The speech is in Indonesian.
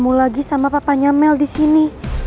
kamu lagi sama papanya mel di sini